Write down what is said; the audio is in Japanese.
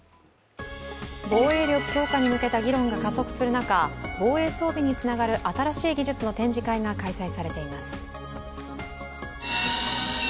防衛力強化に向けた議論が加速する中、防衛装備につながる新しい技術の展示会が開催されています。